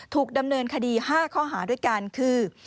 ถูกดำเนินคดี๕ข้อหาด้วยกันคือ